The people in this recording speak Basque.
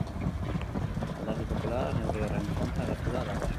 Alderdi popularra neurri horren kontra agertu da dagoeneko.